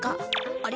あれ？